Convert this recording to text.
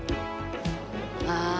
ああ